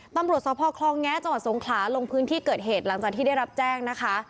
ตำรวจสภคลองแงะจังหวัดสงขลาลงพื้นที่เกิดเหตุหลังจากที่ได้รับแจ้งนะคะ